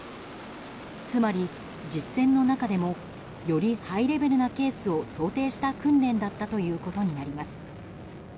つまり実戦の中でもよりハイレベルなケースを想定した訓練だったということになります。